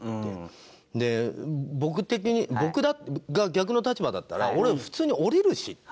僕的に僕が逆の立場だったら俺は普通に降りるしって。